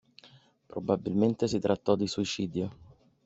Probabilmente si trattò di suicidio.